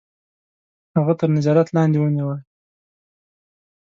هغه تر نظارت لاندي ونیوی.